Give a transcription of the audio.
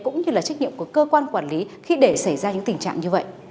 cũng như là trách nhiệm của cơ quan quản lý khi để xảy ra những tình trạng như vậy